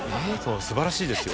素晴らしいですよ。